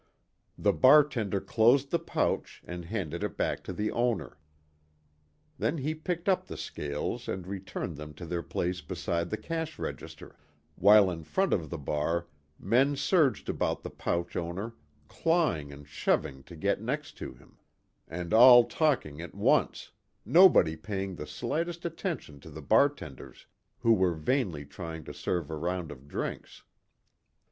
The bartender closed the pouch and handed it back to the owner. Then he picked up the scales and returned them to their place beside the cash register, while in front of the bar men surged about the pouch owner clawing and shoving to get next to him, and all talking at once, nobody paying the slightest attention to the bartenders who were vainly trying to serve a round of drinks.